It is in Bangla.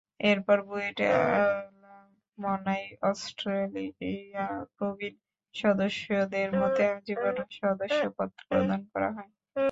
এরপর বুয়েট অ্যালামনাই অস্ট্রেলিয়া প্রবীণ সদস্যদের মধ্যে আজীবন সদস্যপদ প্রদান করা হয়।